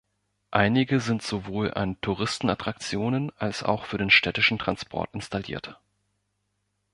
Einige sind sowohl an Touristenattraktionen als auch für den städtischen Transport installiert.